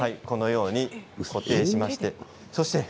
このように固定しまして。